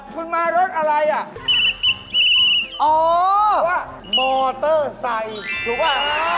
คุณมารถอะไรอ่ะอ๋อว่ามอเตอร์ไซถูกป่ะ